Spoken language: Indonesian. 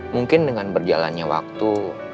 mungkin dengan berjalannya waktu